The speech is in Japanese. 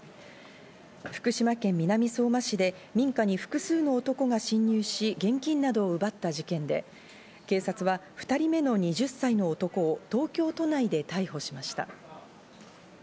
福島県南相馬市で民家に複数の男が侵入し、現金などを奪った事件で、警察は２人目の２０歳の男を東京都内で逮捕しました。